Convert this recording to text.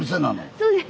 そうです。